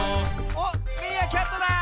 おっミーアキャットだ！